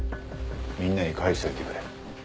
みんなに返しといてくれ。